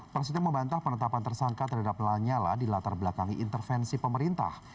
prasetyo membantah penetapan tersangka terhadap lanyala di latar belakangi intervensi pemerintah